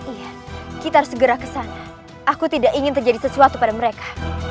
iya kita segera kesana aku tidak ingin terjadi sesuatu pada mereka